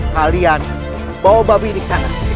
kalian bawa babi ini ke sana